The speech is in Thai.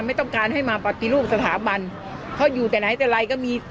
ไม่ต้องการให้มาปฏิรูปสถาบันเขาอยู่แต่ไหนแต่ไรก็มี